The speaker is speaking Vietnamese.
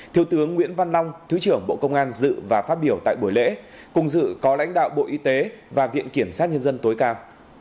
thiếu tướng nguyễn văn long thứ trưởng bộ công an dự và phát biểu tại buổi lễ cùng dự có lãnh đạo bộ y tế và viện kiểm sát nhân dân tối cao